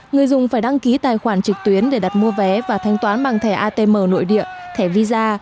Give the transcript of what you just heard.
người dùng phải đăng ký tài khoản trực tuyến để đặt mua vé và thanh toán bằng thẻ atm nội địa thẻ visa